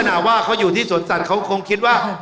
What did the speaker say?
ลักษณะว่าเขาอยู่ที่สนสรรคงคิดว่า